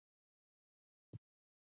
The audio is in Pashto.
ولې صنعتي انقلاب هغو سیمو ته ونه غځېدل.